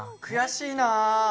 悔しいな！